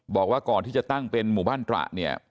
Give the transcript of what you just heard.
บอกว่าก่อนที่จะตั้งเป็นหมู่บ้านตระเนี่ย